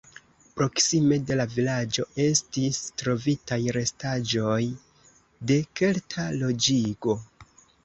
Proksime de la vilaĝo estis trovitaj restaĵoj de kelta loĝigo.